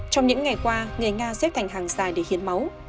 trong những ngày qua người nga xếp thành hàng dài để hiến máu